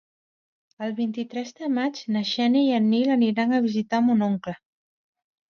El vint-i-tres de maig na Xènia i en Nil aniran a visitar mon oncle.